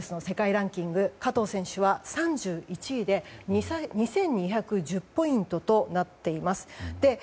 ランキング加藤選手は３１位で２２１０ポイントとなっています。